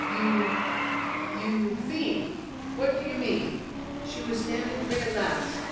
You you fiend! What do you mean?" She was standing free at last!